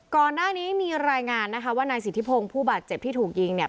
ก่อนหน้านี้มีรายงานนะคะว่านายสิทธิพงศ์ผู้บาดเจ็บที่ถูกยิงเนี่ย